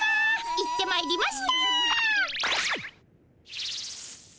行ってまいります！